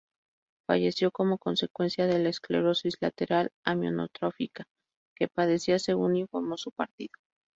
Falleció como consecuencia de la esclerosis lateral amiotrófica que padecía, según informó su partido.